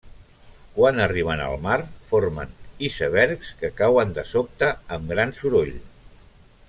Quan arriben al mar, formen icebergs que cauen de sobte amb gran soroll.